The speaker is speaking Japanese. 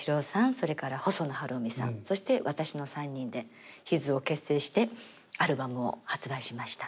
それから細野晴臣さんそして私の３人でＨＩＳを結成してアルバムを発売しました。